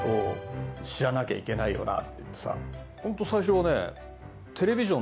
ホント最初はね。